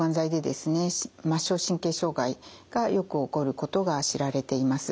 末梢神経障害がよく起こることが知られています。